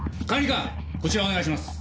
こちらお願いします。